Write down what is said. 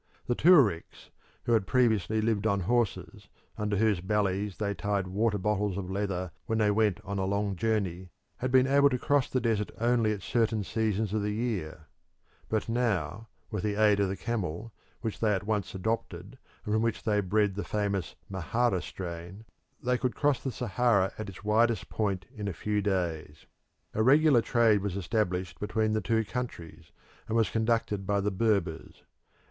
The Tuaricks, who had previously lived on horses, under whose bellies they tied water bottles of leather when they went on a long journey, had been able to cross the desert only at certain seasons of the year; but now, with the aid of the camel, which they at once adopted and from which they bred the famous Mehara strain, they could cross the Sahara at its widest part in a few days. A regular trade was established between the two countries, and was conducted by the Berbers.